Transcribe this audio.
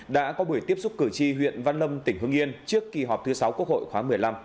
đã có buổi tiếp xúc cử tri huyện văn lâm tỉnh hương yên trước kỳ họp thứ sáu quốc hội khóa một mươi năm